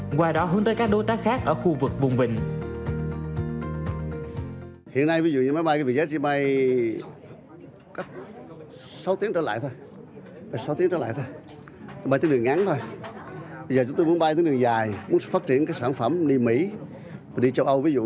qua đó hướng tới các đối tác khác ở khu vực vùng vịnh